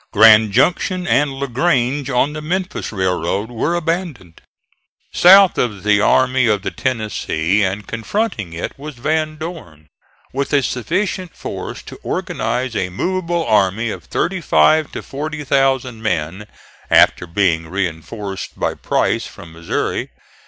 Grand Junction and La Grange on the Memphis railroad were abandoned. South of the Army of the Tennessee, and confronting it, was Van Dorn, with a sufficient force to organize a movable army of thirty five to forty thousand men, after being reinforced by Price from Missouri.